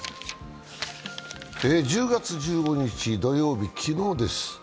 １０月１５日土曜日、昨日です。